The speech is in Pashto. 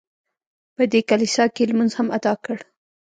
په دې کلیسا کې یې لمونځ هم ادا کړ.